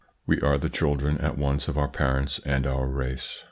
We are the children at once of our parents and our race.